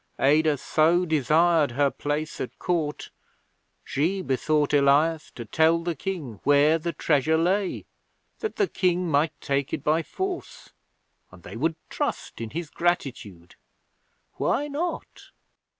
Adah so desired her place at Court, she besought Elias to tell the King where the treasure lay, that the King might take it by force, and they would trust in his gratitude. Why not?